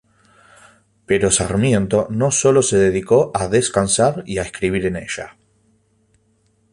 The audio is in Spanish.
Pero Sarmiento no sólo se dedicó a descansar y a escribir en ella.